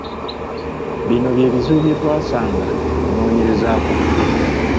Bino bye bizibu bye twasanga mu kunoonyereza kwaffe.